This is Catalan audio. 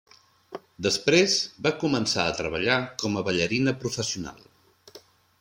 Després va començar a treballar com a ballarina professional.